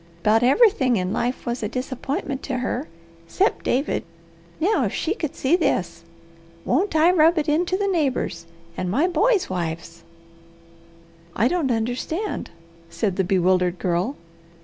'Bout everythin' in life was a disappointment to her, 'cept David. Now if she could see this! Won't I rub it into the neighbours? And my boys' wives!" "I don't understand," said the bewildered Girl.